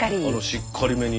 しっかりめに。